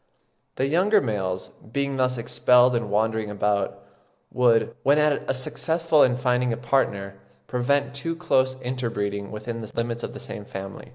The younger males, being thus expelled and wandering about, would, when at last successful in finding a partner, prevent too close interbreeding within the limits of the same family.